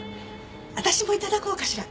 私も頂こうかしら。